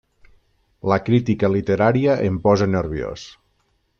La crítica literària em posa nerviós!